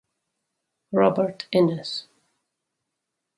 Robert Innes.